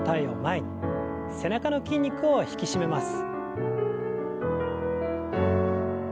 背中の筋肉を引き締めます。